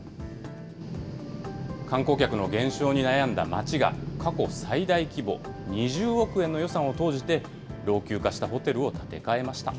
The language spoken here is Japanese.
観光客の減少に悩んだ町が、過去最大規模、２０億円の予算を投じて、老朽化したホテルを建て替えました。